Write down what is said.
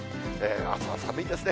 あすは寒いですね。